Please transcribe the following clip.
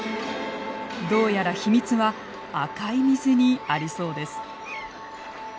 どうやら秘密は赤い水にありそうです。